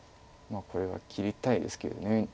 これは切りたいですけど。